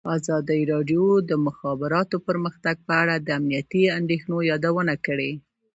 ازادي راډیو د د مخابراتو پرمختګ په اړه د امنیتي اندېښنو یادونه کړې.